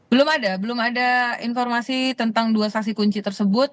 belum ada belum ada informasi tentang dua saksi kunci tersebut